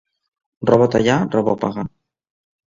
Roba tallada, roba pagada.